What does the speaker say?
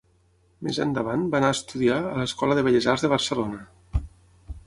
Més endavant va anar a estudiar a l'Escola de Belles Arts de Barcelona.